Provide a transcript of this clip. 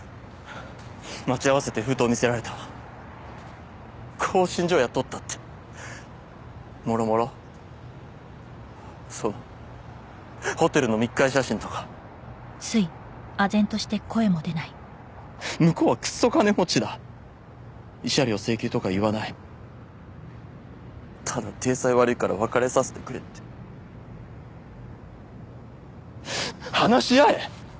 待ち合わせて封筒見せられた興信所を雇ったってもろもろそのホテルの密会写真とか向こうはクソ金持ちだ慰謝料請求とか言わないただ体裁悪いから別れさせてくれって話し合え？